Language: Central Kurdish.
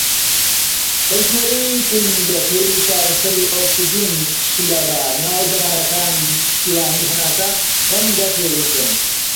بەگوێرەی تووندیەکەی، چارەسەری ئۆکسجین، شلە بە ناو دەمارەکان، و پشتیوانی هەناسە ڕەنگە پێویست بن.